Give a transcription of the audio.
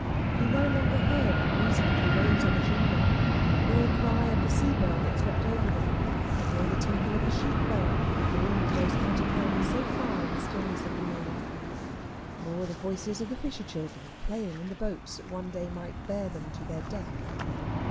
He no longer heard the music of the waves on the shingle, nor the cry of the sea bird that swept over them, nor the tinkle of the sheep bell the wind knows how to carry so far in the stillness of the morning, nor the voices of the fisher children playing in the boats that one day may bear them to their death.